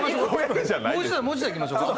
もう一度いきましょか。